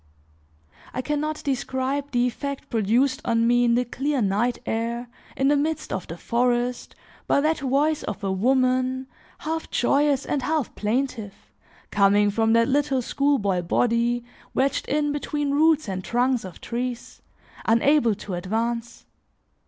I can not describe the effect produced on me in the clear night air, in the midst of the forest, by that voice of a woman, half joyous and half plaintive, coming from that little schoolboy body wedged in between roots and trunks of trees, unable to advance.